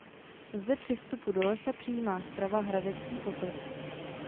Zde při vstupu do lesa přijímá zprava "Hradecký potok".